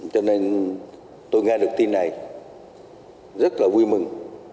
cho nên tôi nghe được tin này rất là vui mừng